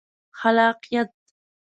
خلاقیت